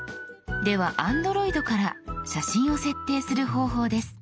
ではＡｎｄｒｏｉｄから写真を設定する方法です。